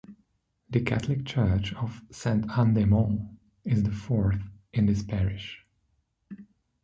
The catholic church of Sainte-Anne-des-Monts is the fourth in this parish.